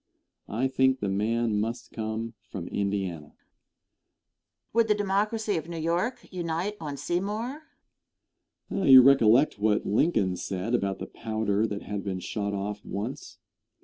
I think the man must come from Indiana. Question. Would the Democracy of New York unite on Seymour? Answer. You recollect what Lincoln said about the powder that had been shot off once.